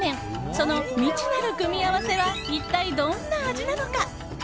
その未知なる組み合わせは一体どんな味なのか。